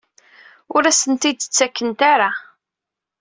Ur asent-tt-id-ttakent ara?